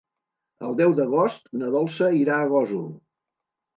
El deu d'agost na Dolça irà a Gósol.